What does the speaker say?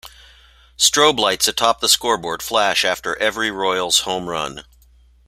Strobe lights atop the scoreboard flash after every Royals home run.